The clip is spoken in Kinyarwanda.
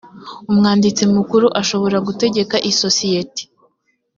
umwanditsi mukuru ashobora gutegeka isosiyete